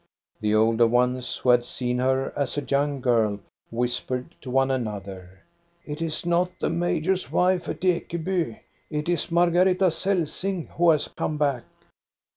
The older ones, who had seen her as a young girl, whispered to one another :" It is not the major's wife at Ekeby ; it is Margareta Celsing who has come back."